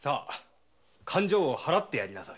勘定を払ってやりなさい。